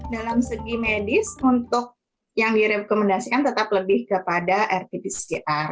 dalam segi medis untuk yang direkomendasikan tetap lebih kepada rt pcr